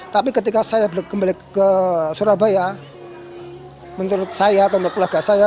tapi ketika saya kembali ke surabaya menurut saya atau keluarga saya